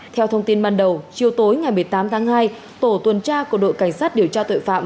theo thông tin ban đầu chiều tối ngày một mươi tám tháng hai tổ tuần tra của đội cảnh sát điều tra tội phạm